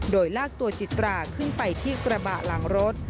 โดยลากตัวจิตราขึ้นไปที่กระบะหลังรถ